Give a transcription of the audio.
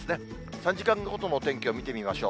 ３時間ごとのお天気を見てみましょう。